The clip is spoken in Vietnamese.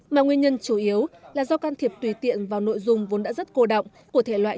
mà nguyên nhân chủ yếu là do can thiệp tùy tiện vào nội dung vốn đã rất cổ động của thể loại